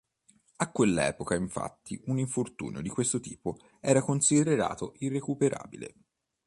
A quell'epoca infatti un infortunio di questo tipo era considerato irrecuperabile.